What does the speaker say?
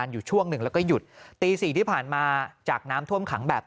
อยู่ช่วงหนึ่งแล้วก็หยุดตีสี่ที่ผ่านมาจากน้ำท่วมขังแบบ